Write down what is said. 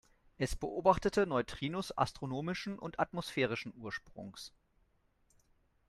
Es beobachtete Neutrinos astronomischen und atmosphärischen Ursprungs.